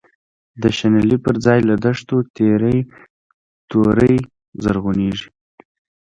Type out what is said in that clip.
د شنلی پر ځای له دښتو، تیری توری زرغونیږی